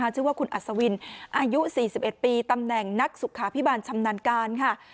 ชื่อว่าคุณอัศวินอายุ๔๑ปีตำแหน่งนักสุขาพิบาลชำนาญการค่ะ